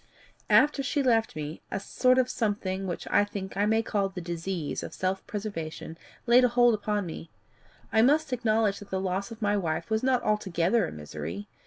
"After she left me, a sort of something which I think I may call the disease of self preservation, laid hold upon me. I must acknowledge that the loss of my wife was not altogether a misery.